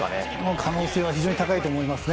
可能性は非常に高いと思います。